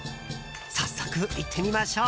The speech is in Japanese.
早速行ってみましょう。